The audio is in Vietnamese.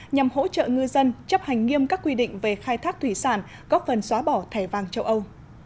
nhằm hỗ trợ ngư dân chấp hành nghiêm các quy định về khai thác thủy sản góp phần xóa bỏ thẻ vàng châu âu